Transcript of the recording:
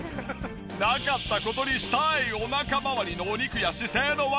なかった事にしたいお腹まわりのお肉や姿勢の悪さ。